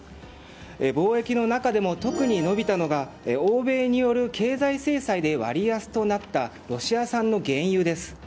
貿易の中でも特に伸びたのが欧米による経済制裁で割安となったロシア産の原油です。